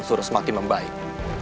menyuruh manw tt